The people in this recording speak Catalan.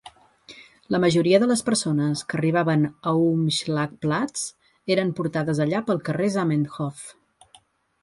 La majoria de les persones que arribaven a Umschlagplatz eren portades allà pel carrer Zamenhof.